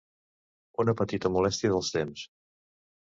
Una petita molèstia dels temps